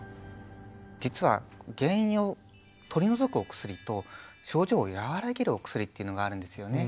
実は「原因を取り除くお薬」と「症状を和らげるお薬」というのがあるんですよね。